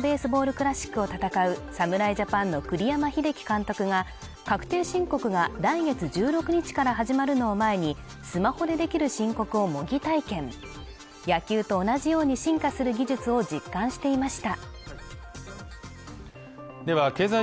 クラシックを戦う侍ジャパンの栗山英樹監督が確定申告が来月１６日から始まるのを前にスマホでできる申告を模擬体験野球と同じように進化する技術を実感していました